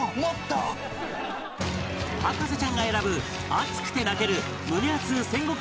博士ちゃんが選ぶ熱くて泣ける胸アツ戦国武将